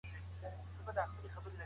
ته اجازه لرې لږ استراحت وکړې.